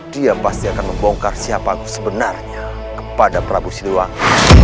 dia pasti akan membongkar siapa sebenarnya kepada prabu siliwangi